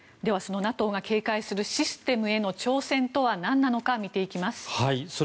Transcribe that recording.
そのＮＡＴＯが警戒するシステムへの挑戦とは何なのか見ていきます。